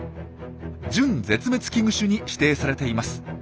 準絶滅危惧種に指定されています。